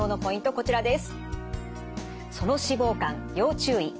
こちらです。